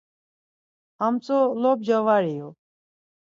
Hamtzo lobca var iyu!